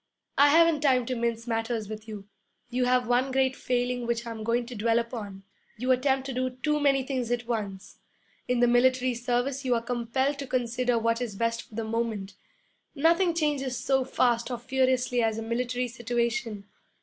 'I haven't time to mince matters with you. You have one great failing which I'm going to dwell upon. You attempt to do too many things at once. In the military service you are compelled to consider what is best for the moment. Nothing changes so fast or furiously as a military situation.